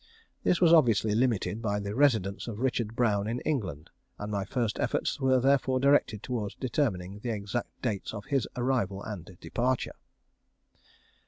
This was obviously limited by the residence of Richard Brown in England, and my first efforts were therefore directed towards determining the exact dates of his arrival and departure.